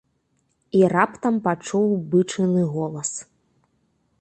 І раптам пачуў бычыны голас.